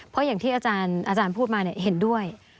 เพราะอย่างที่อาจารย์พูดมาเห็นด้วย